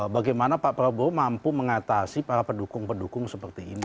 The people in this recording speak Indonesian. bagaimana pak prabowo mampu mengatasi para pendukung pendukung seperti ini